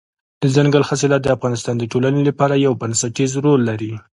دځنګل حاصلات د افغانستان د ټولنې لپاره یو بنسټيز رول لري.